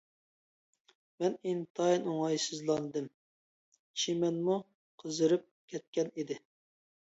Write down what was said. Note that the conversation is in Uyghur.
مەن ئىنتايىن ئوڭايسىزلاندىم، چىمەنمۇ قىزىرىپ كەتكەن ئىدى.